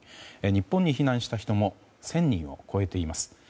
日本に避難した人も１０００人を超えています。